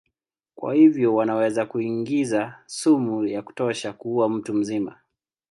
Kwa hivyo wanaweza kuingiza sumu ya kutosha kuua mtu mzima.